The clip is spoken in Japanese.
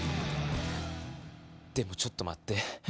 でもちょっと待って。